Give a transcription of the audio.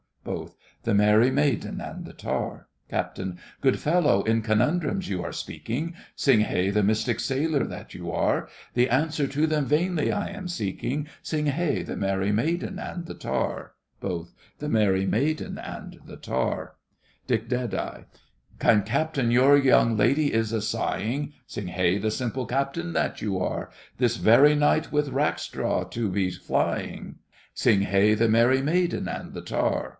BOTH. The merry maiden and the tar. CAPT. Good fellow, in conundrums you are speaking, Sing hey, the mystic sailor that you are; The answer to them vainly I am seeking; Sing hey, the merry maiden and the tar. BOTH The merry maiden and the tar. DICK. Kind Captain, your young lady is a sighing, Sing hey, the simple captain that you are, This very might with Rackstraw to be flying; Sing hey, the merry maiden and the tar.